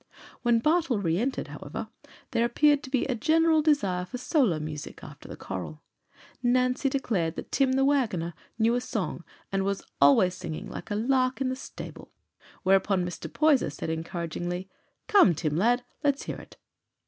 When Bartle reëntered, however, there appeared to be a general desire for solo music after the choral. Nancy declared that Tim the wagoner knew a song and was "allays singing like a lark i' the stable"; whereupon Mr. Poyser said encouragingly, "Come, Tim, lad, let's hear it."